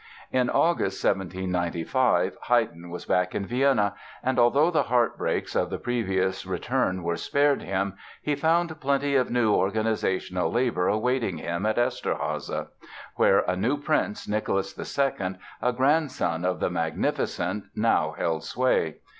In August, 1795, Haydn was back in Vienna, and although the heart breaks of the previous return were spared him he found plenty of new organizational labor awaiting him at Eszterháza, where a new prince, Nicholas II, a grandson of "The Magnificent" now held sway.